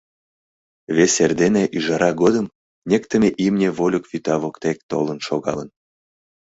Вес эрдене ӱжара годым ньыктме имне вольык вӱта воктек толын шогалын.